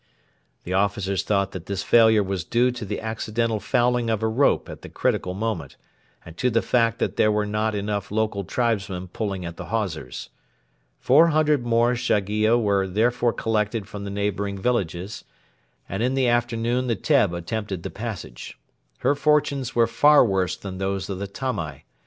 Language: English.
The officers thought that this failure was due to the accidental fouling of a rope at a critical moment, and to the fact that there were not enough local tribesmen pulling at the hawsers. Four hundred more Shaiggia were therefore collected from the neighbouring villages, and in the afternoon the Teb attempted the passage. Her fortunes were far worse than those of the Tamai.